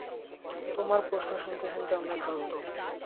তোমার প্রশ্ন শুনতে শুনতে আমরা ক্লান্ত!